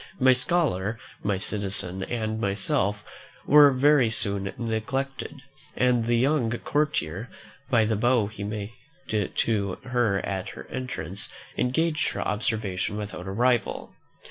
My scholar, my citizen, and myself, were very soon neglected; and the young courtier, by the bow he made to her at her entrance, engaged her observation without a rival.